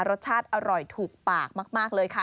รสชาติอร่อยถูกปากมากเลยค่ะ